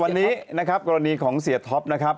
วันนี้นะครับกรณีของเสียท็อปนะครับ